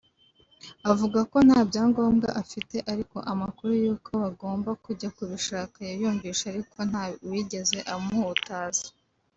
avuga ko nta byangombwa afite ariko amakuru yuko bagomba kujya kibishaka yayumvise ariko nta wigeze amuhutaza